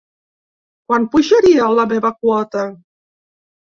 Quant pujaria la meva quota?